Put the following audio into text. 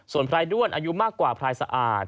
พรายด้วนอายุมากกว่าพลายสะอาด